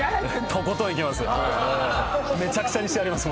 とことんいきます。